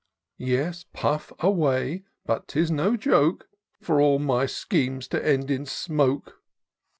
Yes, pufF away — ^but 'tis no joke For all my schemes to end in smoke.